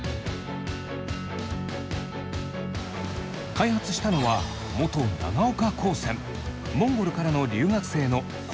開発したのは元長岡高専モンゴルからの留学生のこの２人。